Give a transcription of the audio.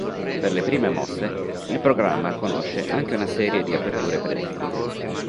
Per le prime mosse il programma conosce anche una serie di aperture predefinite.